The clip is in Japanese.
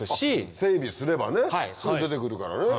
整備すればすぐ出て来るからね。